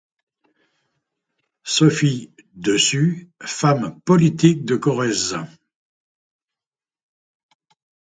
Sophie Dessus, femme politique de Corrèze.